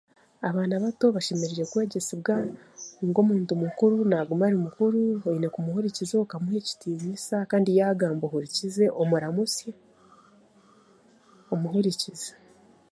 Abaana bato bashemeriere kwegyesibwa ngu omuntu mukuru naaguma ari mukuru, oine kumuhurikiza okamuha ekitiniisa kandi yaagamba ohurikize omuramusye, omu hurikirize